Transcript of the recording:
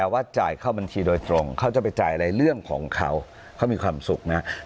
ไปจ่ายอะไรเรื่องของเขาเขามีความสุขนะครับ